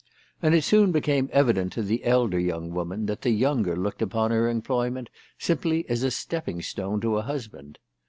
And it soon became evident to the elder young woman that the younger looked upon her employment simply as a stepping stone to a husband.